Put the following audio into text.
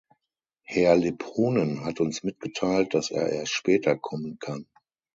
Herr Lipponen hat uns mitgeteilt, dass er erst später kommen kann.